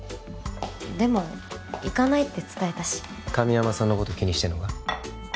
でも行かないって伝えたし神山さんのこと気にしてんのか？